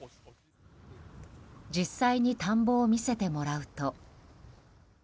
実際に田んぼを見せてもらうと。